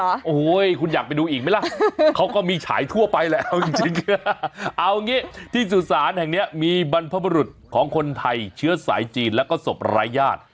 โอ้โหคุณอยากไปดูอีกไหมล่ะเขาก็มีฉายทั่วไปแล้วเอาจริงเอางี้ที่สุสานแห่งนี้มีบรรพบรุษของคนไทยเชื้อสายจีนแล้วก็ศพรายญาติ